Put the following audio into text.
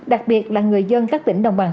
đặc biệt là người dân các tỉnh đồng bằng